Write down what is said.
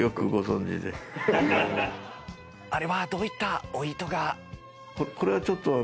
あれはどういったお意図が？